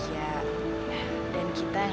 tidak kita sudah